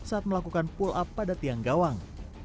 saat melakukan pull up pada tiang gawang